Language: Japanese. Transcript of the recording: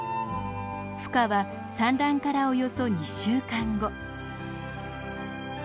ふ化は産卵からおよそ２週間後。